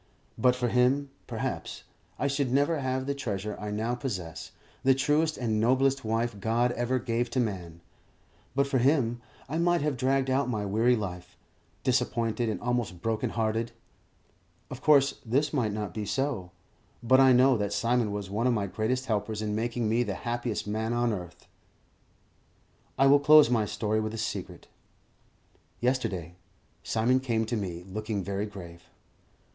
But for him, perhaps, I should never have the treasure I now possess, the truest and noblest wife God ever gave to man; but for him, I might have dragged out my weary life, disappointed and almost broken hearted. Of course this might not be so; but I know that Simon was one of my greatest helpers in making me the happiest man on earth. I will close my story with a secret. Yesterday, Simon came to me, looking very grave.